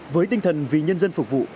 với tinh thần vì nhân dân phục vụ